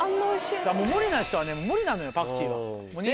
無理な人はね無理なのよパクチーは。